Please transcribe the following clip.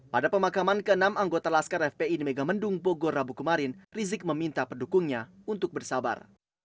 pada pemakaman ke enam anggota laskar fpi di megamendung bogor rabu kemarin rizik meminta pendukungnya untuk bersabar